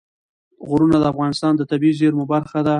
غرونه د افغانستان د طبیعي زیرمو برخه ده.